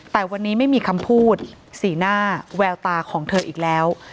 แต่วันนี้ไม่มีคำพูดสีหน้าแววตาของเธออีกแล้ว